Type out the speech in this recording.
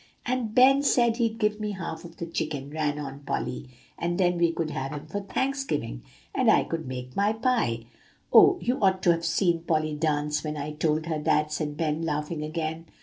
"And Ben said he'd give me half of the chicken," ran on Polly; "and then we could have him for Thanksgiving, and I could make my pie" "Oh, you ought to have seen Polly dance when I told her that!" said Ben, laughing again.